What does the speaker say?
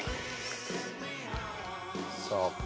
さあ。